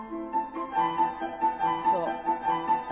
そう。